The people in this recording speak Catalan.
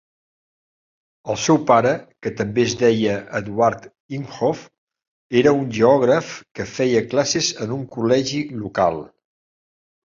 El seu pare, que també es deia Eduard Imhof, era un geògraf que feia classes en un col·legi local.